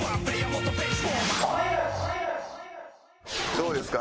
どうですか？